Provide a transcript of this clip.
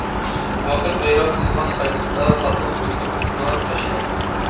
ۋاقىت ۋەيران قىلغان سايلىقتا، تاتلىق ئۇيقۇ ئۇخلار تاشلاردا.